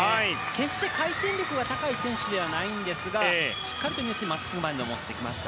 決して回転力が高い選手ではないんですがしっかりと入水前でもってきました。